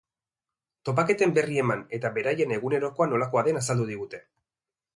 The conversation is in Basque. Topaketen berri eman eta beraien egunerokoa nolakoa den azaldu digute.